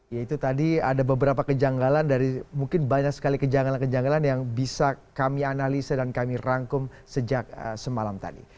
ya itu tadi ada beberapa kejanggalan dari mungkin banyak sekali kejanggalan kejanggalan yang bisa kami analisa dan kami rangkum sejak semalam tadi